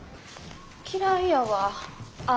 嫌いやわあ